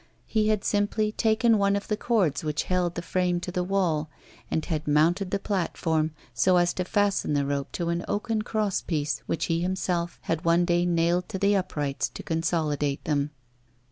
He had simply taken one of the cords which held the frame to the wall, and had mounted the platform, so as to fasten the rope to an oaken crosspiece, which he himself had one day nailed to the uprights to consolidate them.